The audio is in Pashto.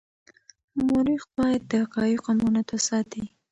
مورخ باید د حقایقو امانت وساتي.